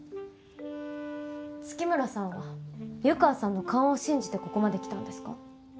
月村さんは湯川さんの勘を信じてここまで来たんですか？